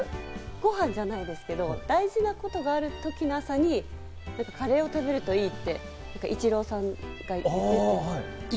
勝負ごはんじゃないですけど、大事なことがあるときの朝にカレーを食べるといいって、イチローさんって？